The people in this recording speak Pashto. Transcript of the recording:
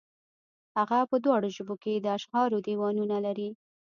هغه په دواړو ژبو کې د اشعارو دېوانونه لري.